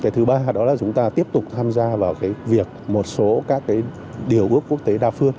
thứ ba đó là chúng ta tiếp tục tham gia vào việc một số các điều ước quốc tế đa phương